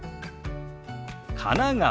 「神奈川」。